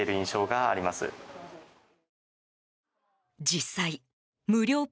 実際無料